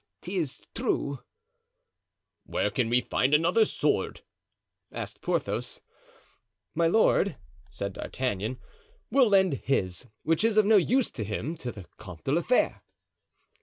"'Tis true." "Where can we find another sword?" asked Porthos. "My lord," said D'Artagnan, "will lend his, which is of no use to him, to the Comte de la Fere."